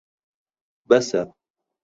بەسە.